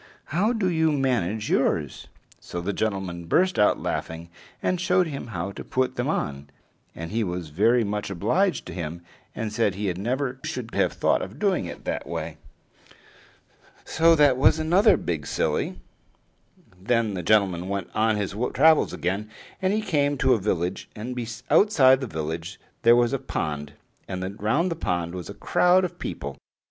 How do you manage yours?" So the gentleman burst out laughing, and showed him how to put them on; and he was very much obliged to him, and said he never should have thought of doing it that way. So that was another big silly. Then the gentleman went on his travels again; and he came to a village, and outside the village there was a pond, and round the pond was a crowd of people.